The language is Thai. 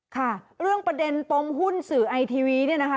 ค่ะเรื่องประเด็นปมหุ้นสื่อไอทีวีเนี่ยนะคะ